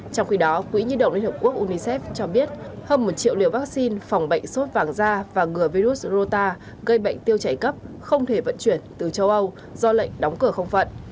trong khi đó quỹ nhi động liên hợp quốc unicef cho biết hơn một triệu liều vaccine phòng bệnh sốt vàng da và ngừa virus rota gây bệnh tiêu chảy cấp không thể vận chuyển từ châu âu do lệnh đóng cửa không phận